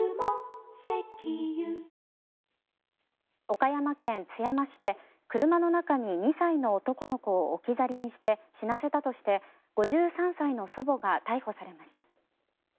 岡山県津山市で車の中に２歳の男の子を置き去りにして死なせたとして５３歳の祖母が逮捕されました。